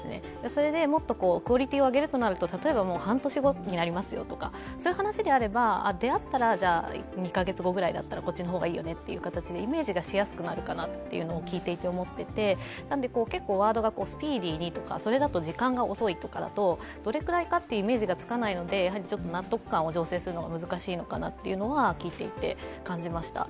もっとクオリティーを上げるとなると半年後になりますよとかそういう話であったら、２カ月後ぐらいだったらこっちの方がいいよねとイメージがしやすくなるかなっていうのを聞いていて思って結構ワードが「スピーディーに」とか、「それだと時間が遅い」とかだとどれくらいかというイメージがつかないので、納得感を醸成するのは難しいのかなと聞いていて感じました。